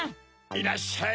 いらっしゃい。